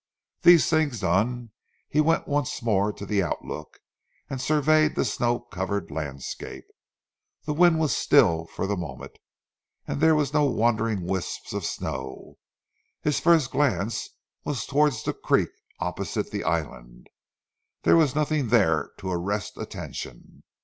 These things done he went once more to the outlook, and surveyed the snow covered landscape. The wind was still for the moment, and there were no wandering wisps of snow. His first glance was towards the creek opposite the island. There was nothing there to arrest attention.